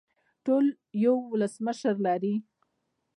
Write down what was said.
ټول یو ولسمشر لري